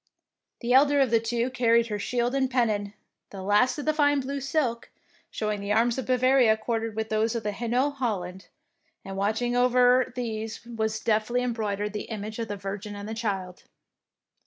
The elder of the two carried her shield and pennon, the last of fine blue silk, showing the arms of Bavaria quartered with those of Hainault Holland, and watching over these was deftly embroidered the image of the Virgin and Child.